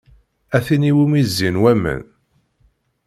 A tin iwumi zzin waman.